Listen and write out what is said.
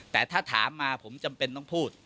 แต่ถ้าถามมาผมจำเป็นต้องพูด